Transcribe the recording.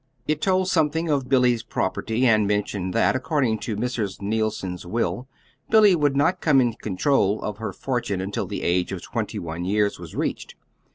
It told something of Billy's property, and mentioned that, according to Mrs. Neilson's will, Billy would not come into control of her fortune until the age of twenty one years was reached.